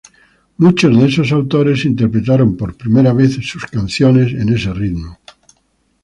Muchos de esos autores interpretaron por primera vez sus canciones en ese ritmo.